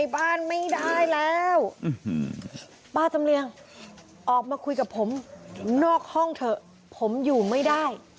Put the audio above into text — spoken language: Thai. ป้าจำเลียงออกมาคุยกับผมนอกห้องเถอะผมอยู่ไม่ได้